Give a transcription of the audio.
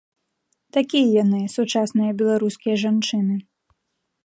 Такія яны, сучасныя беларускія жанчыны.